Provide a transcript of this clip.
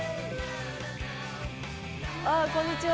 あこんにちは。